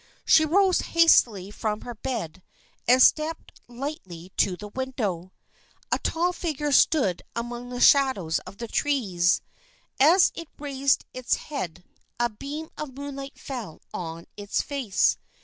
She rose hastily from her bed and stepped lightly to the window. A tall figure stood among the shadows of the trees. As it raised its head, a beam of moonlight fell on its face.